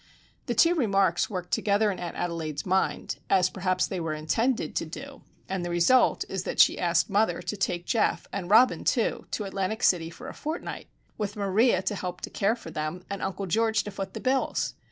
The two remarks worked together in Aunt Adelaide's mind,—as perhaps they were intended to do,—and the result is that she has asked mother to take Geof and Robin, too, to Atlantic City for a fortnight, with Maria to help care for them, and Uncle George to foot the bills.